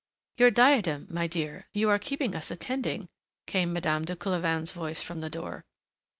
"Your diadem, my dear you are keeping us attending," came Madame de Coulevain's voice from the door.